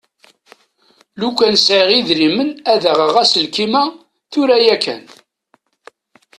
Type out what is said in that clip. Lukan sεiɣ idrimen ad aɣeɣ aselkim-a tura yakan.